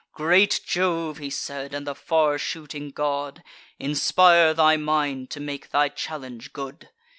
"Great Jove," he said, "and the far shooting god, Inspire thy mind to make thy challenge good!"